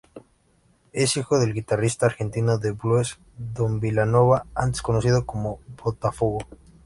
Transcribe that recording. Es hijo del guitarrista argentino de blues, Don Vilanova antes conocido como "Botafogo".